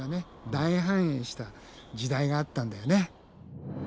大繁栄した時代があったんだよね。